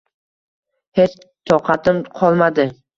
Hech toqatim qolmadi.